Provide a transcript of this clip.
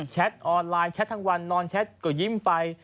แชทออนไลน์แชททั้งวันนอนแชทก็ยิ้มไป